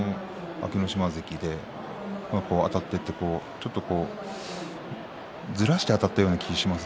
あたっていってちょっとずらしてあたったような気がします。